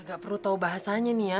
gak perlu tau bahasanya nia